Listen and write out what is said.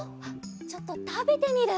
ちょっとたべてみる？